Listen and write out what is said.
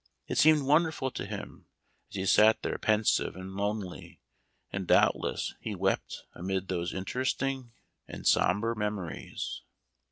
It seemed wonderful to him as he sat there pensive and lonely, and doubtless he wept amid those inter esting and somber memories.